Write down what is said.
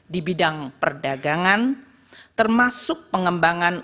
di bidang perdagangan termasuk pengembangan